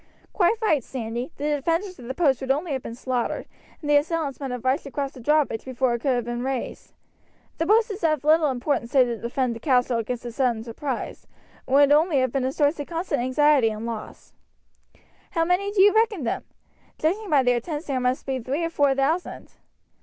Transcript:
"Quite right, Sandy! The defenders of the post would only have been slaughtered, and the assailants might have rushed across the drawbridge before it could have been raised. The post is of little importance save to defend the castle against a sudden surprise, and would only have been a source of constant anxiety and loss. How many do you reckon them? Judging by their tents there must be three or four thousand."